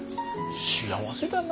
幸せだな。